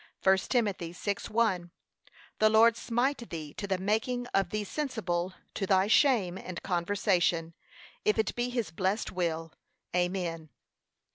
(1 Tim. 6:1) The Lord smite thee to the making of thee sensible to thy shame and conversion, if it be his blessed will. Amen!